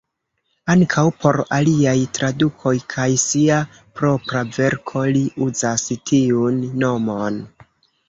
Ankaŭ por aliaj tradukoj kaj sia propra verko li uzas tiun nomon.